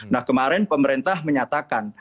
nah kemarin pemerintah menyatakan